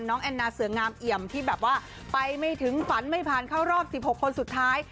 แอนนาเสืองามเอี่ยมที่แบบว่าไปไม่ถึงฝันไม่ผ่านเข้ารอบ๑๖คนสุดท้าย